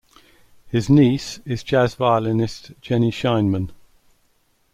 His niece is jazz violinist Jenny Scheinman.